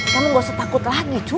kamu gak usah takut lagi cu